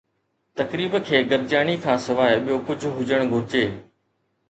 تقريب کي گڏجاڻي کان سواء ٻيو ڪجهه هجڻ گهرجي